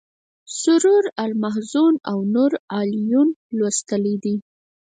سرور المحزون او نور العیون لوستلی دی.